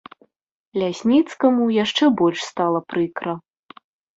Лясніцкаму яшчэ больш стала прыкра.